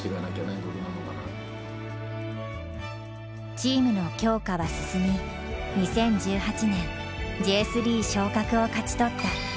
チームの強化は進み２０１８年Ｊ３昇格を勝ち取った。